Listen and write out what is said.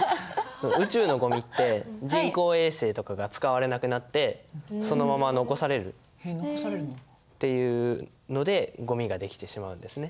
宇宙のゴミって人工衛星とかが使われなくなってそのまま残されるっていうのでゴミができてしまうんですね。